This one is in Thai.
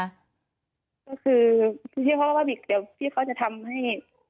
ก็คือพี่พ่อว่าเดี๋ยวพี่พ่อจะทำให้